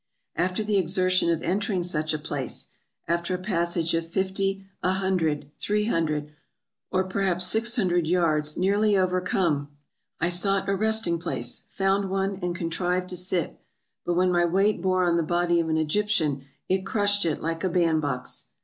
After the exertion of entering such a place, after a passage of fifty, a hundred, three hundred, or per haps six hundred yards, nearly overcome, I sought a resting place, found one, and contrived to sit; but when my weight bore on the body of an Egyptian, it crushed it like a band box.